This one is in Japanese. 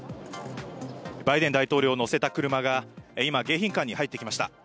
バイデン大統領を乗せた車が、今、迎賓館に入ってきました。